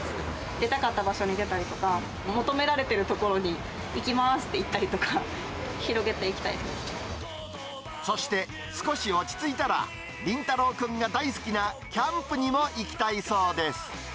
出たかった場所に出たりとか、求められてる所に行きまーすっていってやったりとか、広げていきそして、少し落ち着いたら、倫太朗くんが大好きなキャンプにも行きたいそうです。